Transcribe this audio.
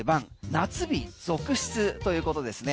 夏日続出ということですね。